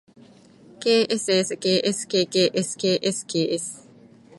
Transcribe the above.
ｋｓｓｋｓｋｋｓｋｓｋｓ